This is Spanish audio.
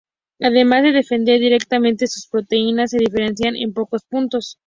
Además de defender directamente sus porterías, se diferencian en pocos puntos.